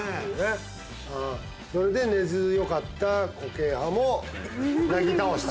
それで根強かった固形派もなぎ倒したと。